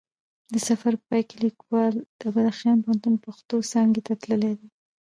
د سفر په پای کې لیکوال د بدخشان پوهنتون پښتو څانګی ته تللی دی